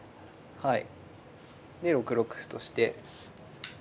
はい。